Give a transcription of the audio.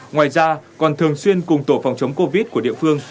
ngoài ra còn thường xuyên cùng tổ phòng chống covid của địa phương